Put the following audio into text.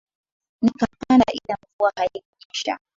Nikapanda ila mvua haikunyesha.